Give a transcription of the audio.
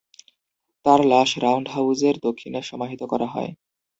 তার লাশ রাউন্ড হাউজের দক্ষিণে সমাহিত করা হয়।